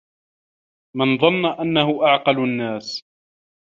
مَنْ ظَنَّ أَنَّهُ أَعْقَلُ النَّاسِ